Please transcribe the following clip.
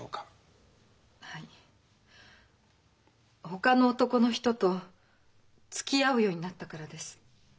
ほかの男の人とつきあうようになったからです。